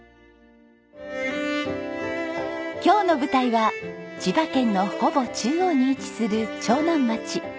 今日の舞台は千葉県のほぼ中央に位置する長南町。